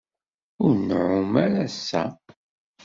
Ur nɛum ara ass-a.